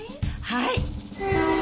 はい。